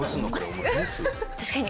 確かに。